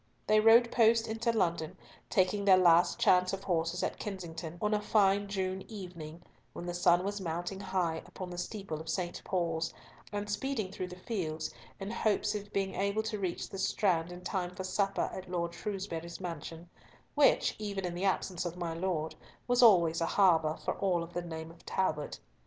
They rode post into London, taking their last change of horses at Kensington, on a fine June evening, when the sun was mounting high upon the steeple of St. Paul's, and speeding through the fields in hopes of being able to reach the Strand in time for supper at Lord Shrewsbury's mansion, which, even in the absence of my Lord, was always a harbour for all of the name of Talbot.